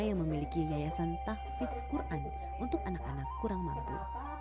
yang memiliki yayasan tahfiz quran untuk anak anak kurang mampu